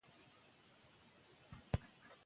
پښتو باید ولیکو